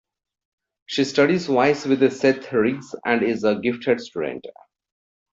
She studies voice with Seth Riggs and is a gifted student.